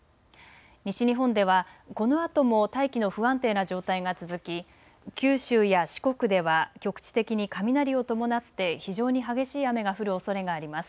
西日本ではこのあとも大気の不安定な状態が続き九州や四国では局地的に雷を伴って非常に激しい雨が降るおそれがあります。